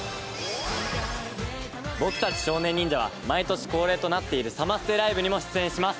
僕たち少年忍者が毎年恒例となっている「サマステライブ」にも出演します。